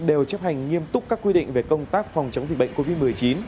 đều chấp hành nghiêm túc các quy định về công tác phòng chống dịch bệnh covid một mươi chín